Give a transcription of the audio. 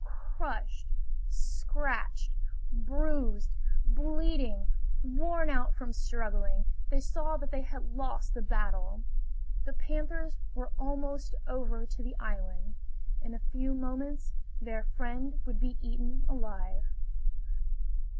Crushed, scratched, bruised, bleeding, worn out from struggling, they saw that they had lost the battle. The panthers were almost over to the island. In a few moments their friend would be eaten alive!